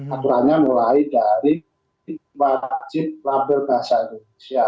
aturannya mulai dari wajib label bahasa indonesia